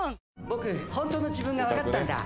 僕ホントの自分が分かったんだ